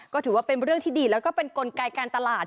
ก็ถือว่าเป็นเรื่องที่ดีแล้วก็เป็นกลไกการตลาด